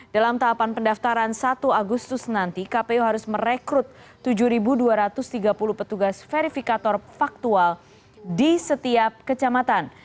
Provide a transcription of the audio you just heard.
dalam tahapan pendaftaran satu agustus nanti kpu harus merekrut tujuh dua ratus tiga puluh petugas verifikator faktual di setiap kecamatan